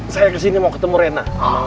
saya kesini mau ketemu rena